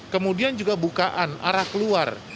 kemudian juga bukaan arah keluar